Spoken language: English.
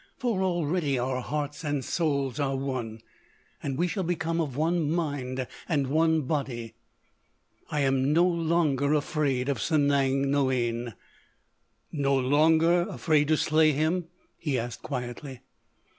For already our hearts and souls are one. And we shall become of one mind and one body. "I am no longer afraid of Sanang Noïane!" "No longer afraid to slay him?" he asked quietly.